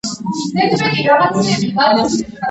ქალაქში ცხოვრობენ მართლმადიდებლები, მუსულმანები და იუდეველები.